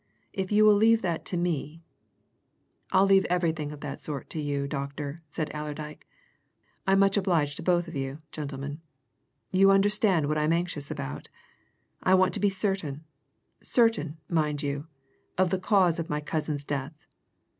If you will leave it to me " "I'll leave everything of that sort to you, doctor," said Allerdyke. "I'm much obliged to both of you, gentlemen. You understand what I'm anxious about? I want to be certain certain, mind you! of the cause of my cousin's death.